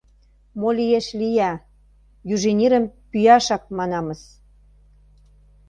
Мо лиеш лия, Южинирым пӱяшак, манамыс.